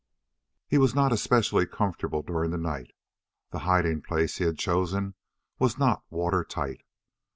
He was not especially comfortable during the night. The hiding place he had chosen was not water tight.